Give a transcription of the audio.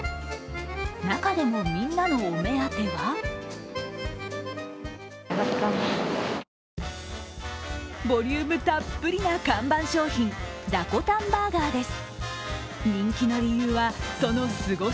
中でもみんなのお目当てはボリュームたっぷりな看板商品、ダコタンバーガーです。